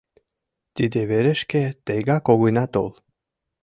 Тиде верышке тегак огына тол.